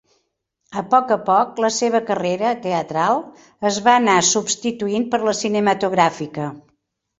A poc a poc la seva carrera teatral es va anar substituint per la cinematogràfica.